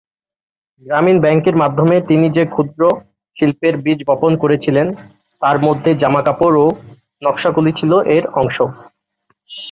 গ্রামীণ ব্যাংকের মাধ্যমে তিনি যে ক্ষুদ্র-শিল্পের বীজ বপন করেছিলেন, তার মধ্যে জামাকাপড় ও নকশাগুলি ছিল এর অংশ।